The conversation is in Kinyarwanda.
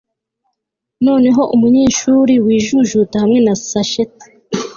Noneho umunyeshuri wijujuta hamwe na satchel